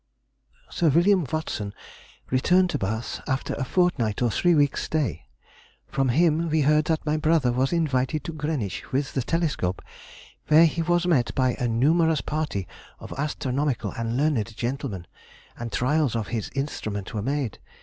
Sir William Watson returned to Bath after a fortnight or three weeks' stay. From him we heard that my brother was invited to Greenwich with the telescope, where he was met by a numerous party of astronomical and learned gentlemen, and trials of his instrument were made.